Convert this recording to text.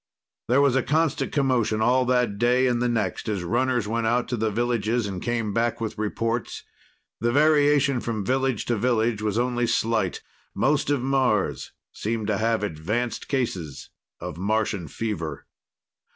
There was a constant commotion all that day and the next as runners went out to the villages and came back with reports. The variation from village to village was only slight. Most of Mars seemed to have advanced cases of Martian fever.